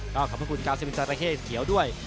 ก็ขอบคุณ๙๑จราเข้เขียวด้วย